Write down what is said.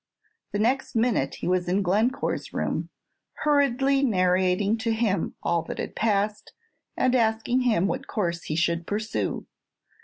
The next minute he was in Glencore's room, hurriedly narrating to him all that had passed, and asking him what course he should pursue.